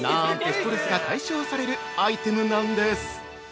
ストレスが解消されるアイテムなんです！